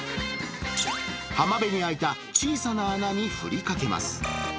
浜辺に開いた小さな穴に振りかけます。